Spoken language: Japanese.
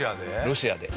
ロシアで。